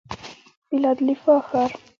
فیلادلفیا ښار